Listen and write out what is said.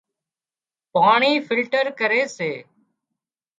پاڻي فلٽر ڪري سي